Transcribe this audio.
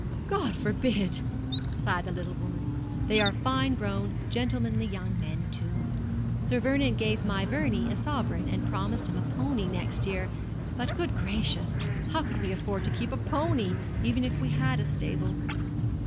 'God forbid!' sighed the little woman. 'They are fine grown, gentlemanly young men, too. Sir Vernon gave my Vernie a sovereign, and promised him a pony next year; but, good gracious! how could we afford to keep a pony, even if we had a stable?